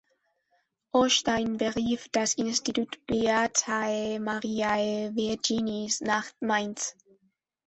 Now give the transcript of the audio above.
Ostein berief das „Institut Beatae Mariae Virginis“ nach Mainz.